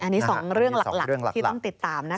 อันนี้๒เรื่องหลักที่ต้องติดตามนะคะ